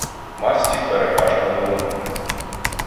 Масті переважно вороної.